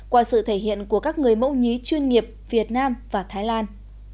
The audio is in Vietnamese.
qua sự thể hiện của các người mẫu nhí chuyên nghiệp việt nam và thái lan